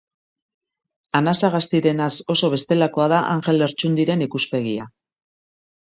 Anasagastirenaz oso bestelakoa da Anjel Lertxundiren ikuspegia.